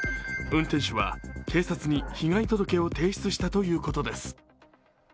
運転手は警察に被害届を提出したということです。